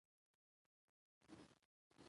د دولتي قراردادونو پروسه رڼه وي.